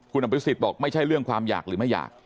คุณอภิษฎบอกไม่ใช่เรื่องความอยากหรือไม่อยาก